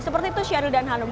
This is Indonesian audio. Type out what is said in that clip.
seperti itu syahril dan hanum